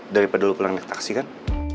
daripada lu pulang naik taksi kan